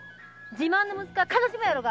自慢の息子が悲しむやろが。